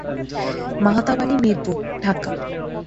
Mahtab Ali Mirpur, Dhaka.